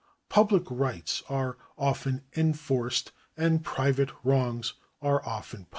Public rights are often enforced, and private wrongs are often punished.